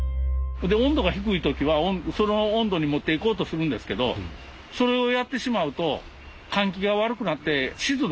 温度が低い時はその温度に持っていこうとするんですけどそれをやってしまうと換気が悪くなって湿度が高くなる。